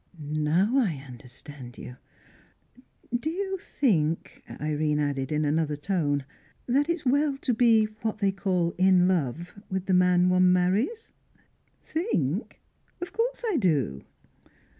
"Now I understand you. Do you think" Irene added in another tone "that it's well to be what they call in love with the man one marries?" "Think? Of course I do!"